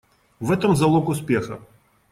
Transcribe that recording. В этом залог успеха.